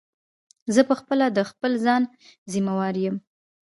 زه په خپله د خپل ځان ضیموار یم.